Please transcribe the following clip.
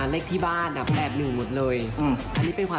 โรตตาลี่บ่อยไหมคะ